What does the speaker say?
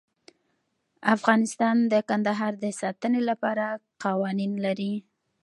افغانستان د کندهار د ساتنې لپاره قوانین لري.